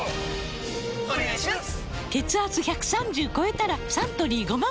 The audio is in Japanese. お願いします！！！